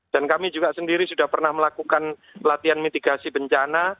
dan kami juga sendiri sudah pernah melakukan pelatihan mitigasi bencana